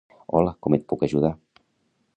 Hola, com et puc ajudar?